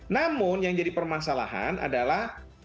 namun yang jadi permasalahan adalah